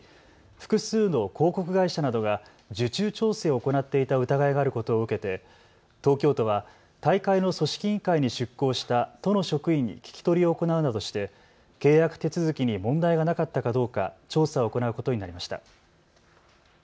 複数の広告会社などが受注調整を行っていた疑いがあることを受けて東京都は大会の組織委員会に出向した都の職員に聞き取りを行うなどして契約手続きに問題がなかったかどうか調査を行うことになりました。